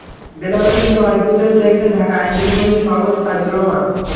বেলাল হোসেনকে অনেক দিন ধরে দেখছেন ঢাকা আইনজীবী সমিতির সভাপতি সাইদুর রহমান।